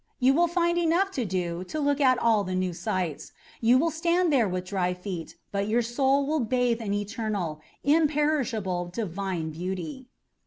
You will find enough to do to look at all the new sights. You will stand there with dry feet, but your soul will bathe in eternal, imperishable, divine beauty."